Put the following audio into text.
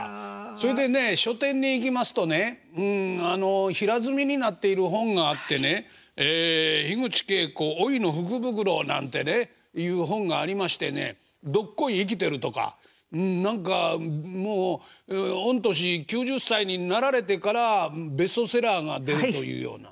それでね書店に行きますとねあの平積みになっている本があってねええ口恵子「老いの福袋」なんてねいう本がありましてね「どっこい生きてる」とか何かもう御年９０歳になられてからベストセラーが出るというような。